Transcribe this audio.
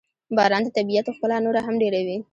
• باران د طبیعت ښکلا نوره هم ډېروي.